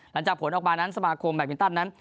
หลังจากผลออกมานั้นสมาคมแบตมินตันนั้น